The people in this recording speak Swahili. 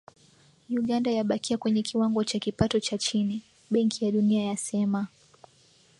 Uganda yabakia kwenye kiwango cha kipato cha chini, Benki ya Dunia yasema.